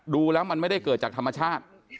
ดูแล้วมันไม่ได้เกิดจากธรรมชาติ